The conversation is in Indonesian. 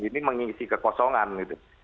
ini mengisi kekosongan gitu